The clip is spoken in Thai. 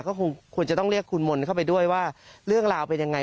ก็คงควรจะต้องเรียกคุณมนต์เข้าไปด้วยว่าเรื่องราวเป็นยังไง